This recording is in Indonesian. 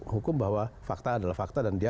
hukum bahwa fakta adalah fakta dan dia